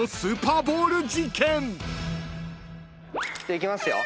いきますよ。